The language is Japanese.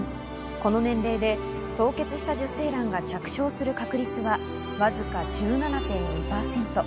この年齢で凍結した受精卵が着床する確率はわずか１７．２％。